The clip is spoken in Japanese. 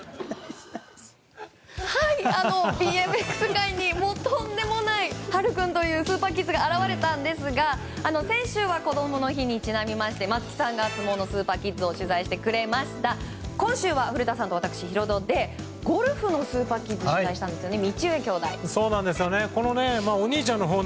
ＢＭＸ界にとんでもない羽陽君というスーパーキッズが現れたんですが先週はこどもの日にちなんで松木さんが相撲のスーパーキッズ取材してくれましたが今週は古田さんと私ヒロドでゴルフのスーパーキッズを紹介したんですよね。